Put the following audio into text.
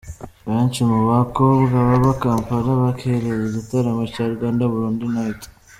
Benshi mu bakobwa baba Kampala bakereye igitaramo cya Rwanda-Burundi Night .